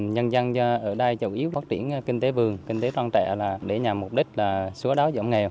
nhân dân ở đây chầu yếu phát triển kinh tế vườn kinh tế trang trại để nhằm mục đích xóa đói dọn nghèo